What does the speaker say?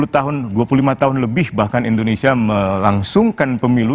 sepuluh tahun dua puluh lima tahun lebih bahkan indonesia melangsungkan pemilu